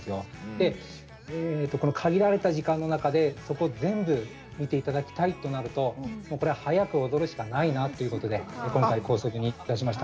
でえっとこの限られた時間の中でそこを全部見て頂きたいとなるともうこれ速く踊るしかないなということで今回高速にいたしました。